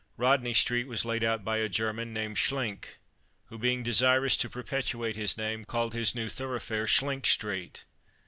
Rodney street was laid out by a German named Schlink, who, being desirous to perpetuate his name, called his new thoroughfare Schlink street.